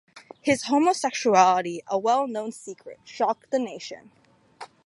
His homosexuality, a well-known secret, shocked the nation.